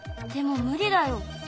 でも無理だよ。